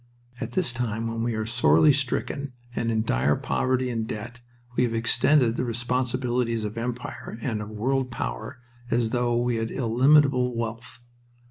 At this time, when we are sorely stricken and in dire poverty and debt, we have extended the responsibilities of empire and of world power as though we had illimitable wealth.